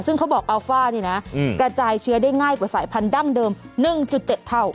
ซึ่งเขาบอกอัลฟ่านี่นะกระจายเชื้อได้ง่ายกว่าสายพันธั้งเดิม๑๗เท่า